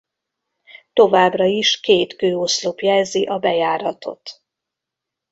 Továbbra is két kőoszlop jelzi a bejáratot.